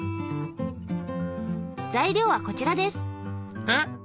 材料はこちらです。え？